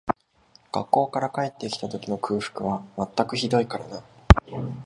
学校から帰って来た時の空腹は全くひどいからな